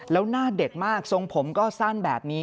แล้วหน้าเด็กมากทรงผมก็สั้นแบบนี้